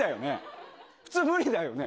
普通無理だよね。